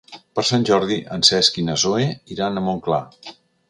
Per Sant Jordi en Cesc i na Zoè iran a Montclar.